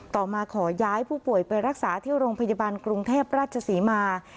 มาขอย้ายผู้ป่วยไปรักษาที่โรงพยาบาลกรุงเทพราชศรีมา